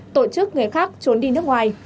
tổ chức người khác trốn đi nước ngoài